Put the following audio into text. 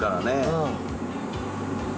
うん。